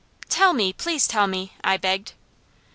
"Tell me! Please tell me!" I begged.